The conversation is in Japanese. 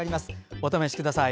お試しください。